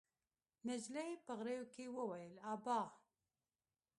نجلۍ په غريو کې وويل: ابا!